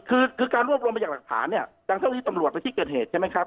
คือคือการรวบรวมไปจากหลักฐานเนี่ยดังเท่าที่ตำรวจไปที่เกิดเหตุใช่ไหมครับ